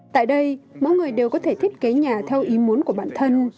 tại đây mỗi người đều có thể thiết kế nhà theo ý muốn của bản thân